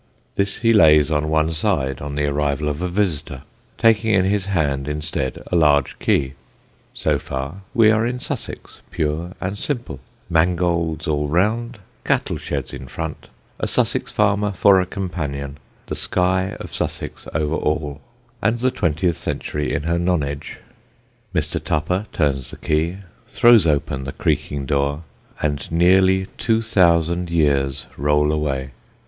This he lays on one side on the arrival of a visitor, taking in his hand instead a large key. So far, we are in Sussex pure and simple; mangolds all around, cattle sheds in front, a Sussex farmer for a companion, the sky of Sussex over all, and the twentieth century in her nonage. Mr. Tupper turns the key, throws open the creaking door and nearly two thousand years roll away.